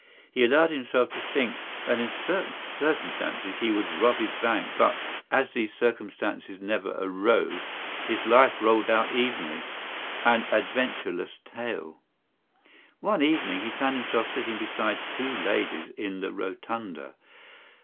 He allowed himself to think that in certain circumstances he would rob his bank but, as these circumstances never arose, his life rolled out evenly—an adventureless tale. One evening he found himself sitting beside two ladies in the Rotunda.